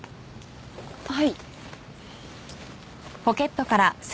はい。